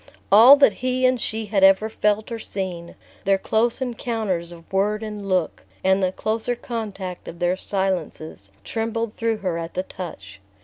All that he and she had ever felt or seen, their close encounters of word and look, and the closer contact of their silences, trembled through her at the touch.